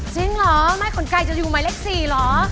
จริงหรอไม้ขนไกจะอยู่ไหม้เลข๔หรอ